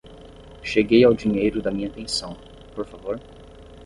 Cheguei ao dinheiro da minha pensão, por favor?